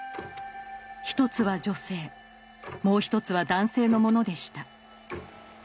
一つは女性もう一つは男性のものでした。